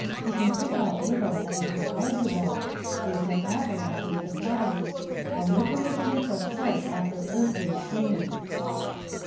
we can pick out little that is intelligible, saving that avarice is defined 'a likourishness of heart after earthly things.'